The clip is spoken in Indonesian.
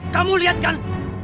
kamu lihat kan